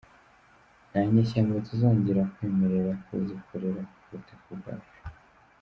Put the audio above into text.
Nta nyeshyamba tuzongera kwemerera ko zikorera ku butaka bwacu.